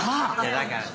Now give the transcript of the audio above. だからさ。